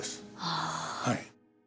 はい。